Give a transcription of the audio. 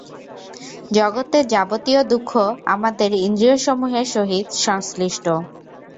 জগতের যাবতীয় দুঃখ আমাদের ইন্দ্রিয়সমূহের সহিত সংশ্লিষ্ট।